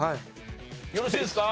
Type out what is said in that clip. よろしいですか？